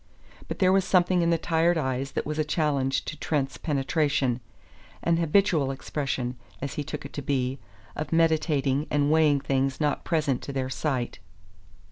But there was something in the tired eyes that was a challenge to Trent's penetration; an habitual expression, as he took it to be, of meditating and weighing things not present to their sight.